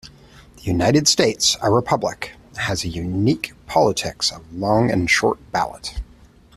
The United States, a republic, has a unique politics of long and short ballot.